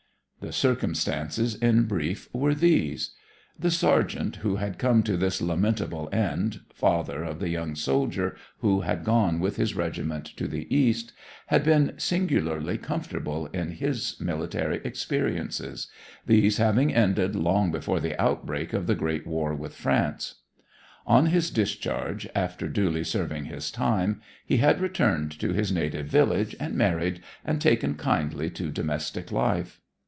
The circumstances, in brief, were these: The sergeant who had come to this lamentable end, father of the young soldier who had gone with his regiment to the East, had been singularly comfortable in his military experiences, these having ended long before the outbreak of the great war with France. On his discharge, after duly serving his time, he had returned to his native village, and married, and taken kindly to domestic life.